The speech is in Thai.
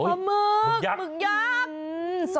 ขมือกมึกยักษ์